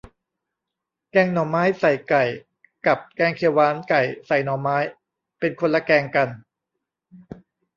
แกงหน่อไม้ใส่ไก่ กับแกงเขียวหวานไก่ใส่หน่อไม้ เป็นคนละแกงกัน